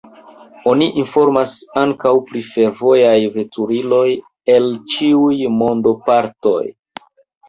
Oni informas ankaŭ pri fervojaj veturiloj el ĉiuj mondopartoj.